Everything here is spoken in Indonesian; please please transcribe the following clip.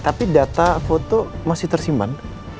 tapi data foto masih tersimpan